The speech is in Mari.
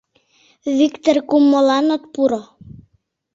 — Виктыр кум, молан от пуро?..